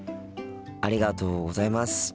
ありがとうございます。